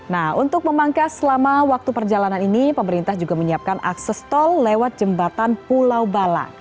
nah untuk memangkas selama waktu perjalanan ini pemerintah juga menyiapkan akses tol lewat jembatan pulau bala